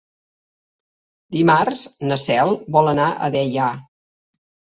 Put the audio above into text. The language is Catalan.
Dimarts na Cel vol anar a Deià.